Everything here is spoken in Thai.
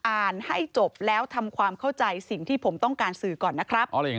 อ่านให้จบแล้วทำความเข้าใจสิ่งที่ผมต้องการสื่อก่อนนะครับ